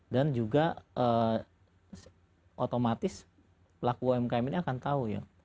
dan juga otomatis pelaku umkm ini akan tahu ya